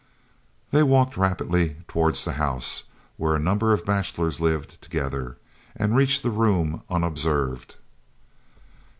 They walked rapidly towards the house, where a number of bachelors lived together, and reached the room unobserved.